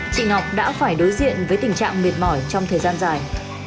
chị ngọc đã phải đối diện với tình trạng mệt mỏi trong thời gian dài